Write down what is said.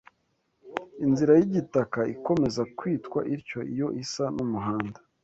Inzira y'igitaka ikomeza kwitwa ityo iyo isa n'umuhanda